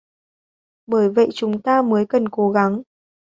bởi vậy chúng ta mới cần cố gắng